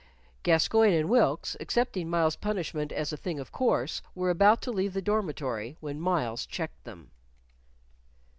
Gascoyne and Wilkes, accepting Myles's punishment as a thing of course, were about to leave the dormitory when Myles checked them.